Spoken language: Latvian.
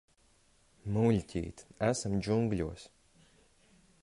Muļķīt, esam džungļos.